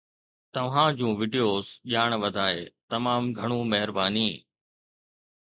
توهان جون وڊيوز ڄاڻ وڌائي، تمام گهڻو مهرباني